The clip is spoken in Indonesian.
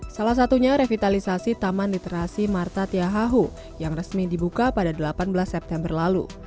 salah satunya revitalisasi taman literasi marta tiahaho yang resmi dibuka pada delapan belas september lalu